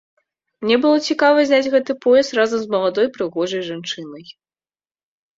Мне было цікава зняць гэты пояс разам з маладой прыгожай жанчынай.